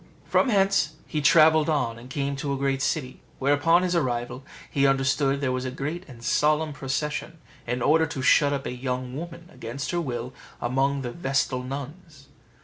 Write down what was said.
From hence he travelled on, and came to a great city, where, upon his arrival, he understood there was a great and solemn procession, in order to shut up a young woman, against her will, among the vestal nuns.